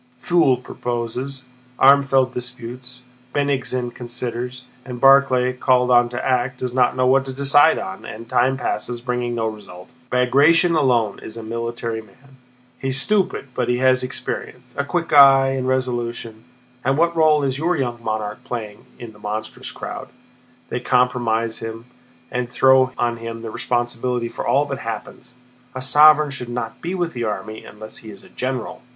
Pfuel proposes, Armfeldt disputes, Bennigsen considers, and Barclay, called on to act, does not know what to decide on, and time passes bringing no result. Bagratión alone is a military man. He's stupid, but he has experience, a quick eye, and resolution.... And what role is your young monarch playing in that monstrous crowd? They compromise him and throw on him the responsibility for all that happens. A sovereign should not be with the army unless he is a general!"